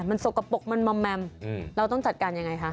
มันสกปรกมันมอมแมมเราต้องจัดการยังไงคะ